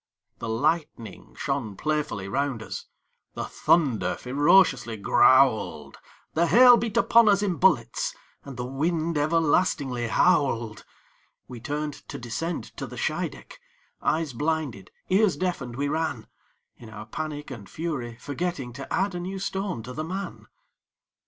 The lightning shone playfully round us; The thunder ferociously growled; The hail beat upon us in bullets; And the wind everlastingly howled. We turned to descend to the Scheideck, Eyes blinded, ears deafened, we ran, In our panic and hurry, forgetting To add a new stone to the man.